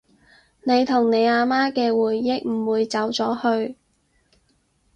你同你阿媽嘅回憶唔會走咗去